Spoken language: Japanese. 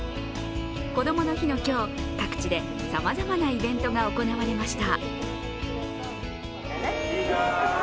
こどもの日の今日、各地でさまざまなイベントが行われました。